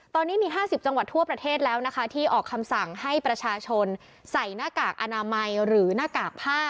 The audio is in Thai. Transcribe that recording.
ตอนนี้มี๕๐จังหวัดทั่วประเทศแล้วนะคะที่ออกคำสั่งให้ประชาชนใส่หน้ากากอนามัยหรือหน้ากากผ้า